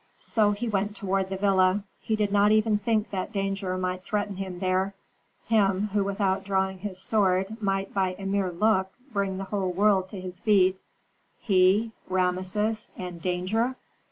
So he went toward the villa. He did not even think that danger might threaten him there, him, who without drawing his sword might by a mere look bring the whole world to his feet; he, Rameses, and danger!